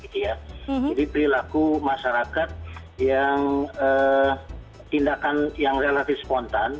jadi perilaku masyarakat yang tindakan yang relatif spontan